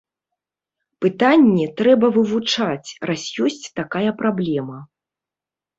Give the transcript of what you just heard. Пытанне трэба вывучаць, раз ёсць такая праблема.